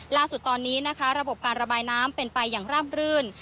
ล่าสุดตอนนี้นะคะระบบการระบายน้ำเป็นไปอย่างราบรื่น